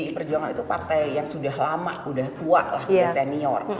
pdi perjuangan itu partai yang sudah lama udah tua lah udah senior